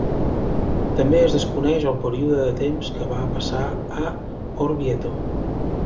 També es desconeix el període de temps que va passar a Orvieto.